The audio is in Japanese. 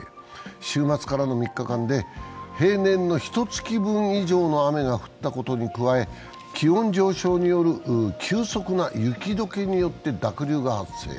週末からの３日間で平年のひと月分以上の雨が降ったことに加え気温上昇による急速な雪解けによって濁流が発生。